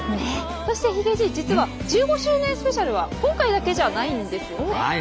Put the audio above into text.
そしてヒゲじい実は１５周年スペシャルは今回だけじゃないんですよね？